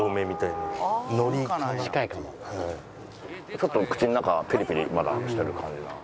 ちょっと口の中ピリピリまだしてる感じ。